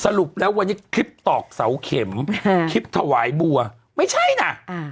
สรุปแล้ววันนี้คลิปตอกเสาเข็มคลิปถวายบัวไม่ใช่น่ะอ่า